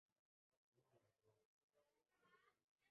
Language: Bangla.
শশী থারুর অসুস্থ বোধ করায় শনিবার সকালে তাঁকে এআইআইএমএসে ভর্তি করা হয়।